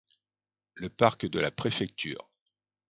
Le parc de la Préfecture.